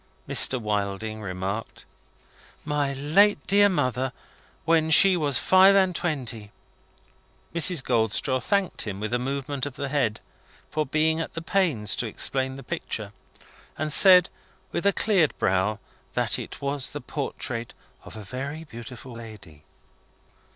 Mr. Wilding remarked. "My late dear mother, when she was five and twenty." Mrs. Goldstraw thanked him with a movement of the head for being at the pains to explain the picture, and said, with a cleared brow, that it was the portrait of a very beautiful lady.